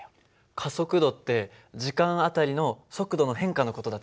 加速度って時間あたりの速度の変化の事だったよね。